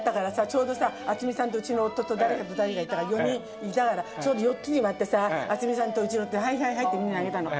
ちょうどさ渥美さんとうちの夫と誰かと誰か４人いたからちょうど４つに割ってさ渥美さんとうちの夫と「はいはいはい」ってみんなにあげたの。